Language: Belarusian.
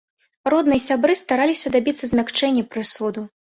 Родныя і сябры стараліся дабіцца змякчэння прысуду.